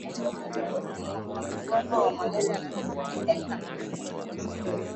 mgonjwa wa malaria anaweza kutetemeka na kuumwa mwili mzima